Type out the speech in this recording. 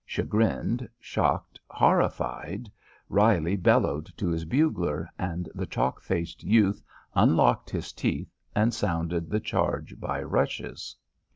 Chagrined, shocked, horrified, Reilly bellowed to his bugler, and the chalked faced youth unlocked his teeth and sounded the charge by rushes.